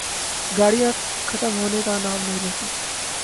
گاڑیاں ختم ہونے کا نام نہیں لیتیں۔